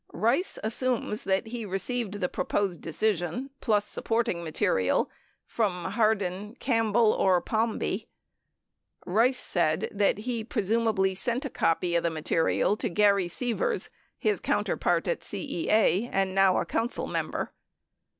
Rice assumes that he received the pro posed decision, plus supporting material, from Hardin, Campbell or Palmby. Rice said that he presumably sent a copy of the material to Gary Seavers, his counterpart at CEA (and now a Council member).